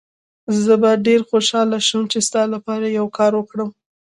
زه به ډېر خوشحاله شم چي ستا لپاره یو کار وکړم.